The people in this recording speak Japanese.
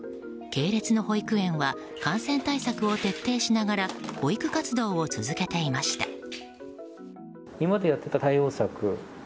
系列の保育園は感染対策を徹底しながら保育活動を続けていました。